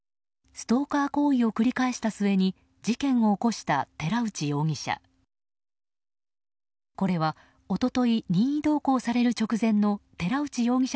ストーカー行為を繰り返した末に事件を起こした寺内容疑者。